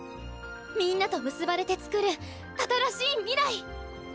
みんなと結ばれてつくる新しい未来！